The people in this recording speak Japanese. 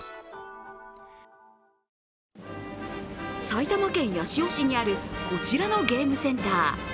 埼玉県八潮市にある、こちらのゲームセンター。